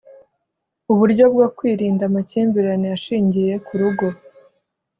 Uburyo bwo kwirinda amakimbirane ashingiye ku rugo